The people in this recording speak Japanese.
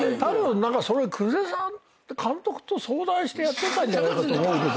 監督と相談してやってたんじゃないかと思うけど。